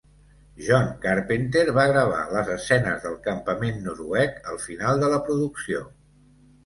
John Carpenter va gravar les escenes del campament noruec al final de la producció.